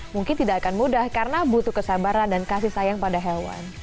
mungkin tidak akan mudah karena butuh kesabaran dan kasih sayang pada hewan